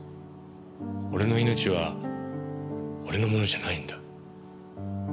俺の命は俺のものじゃないんだ。